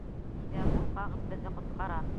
Һиҙәм: ул ҡағыҙ беҙҙе ҡотҡара!